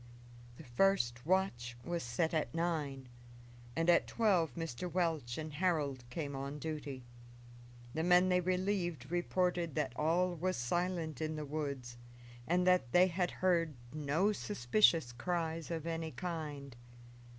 The first watch was set at nine, and at twelve Mr. Welch and Harold came on duty. The men they relieved reported that all was silent in the woods, and that they had heard no suspicious cries of any kind.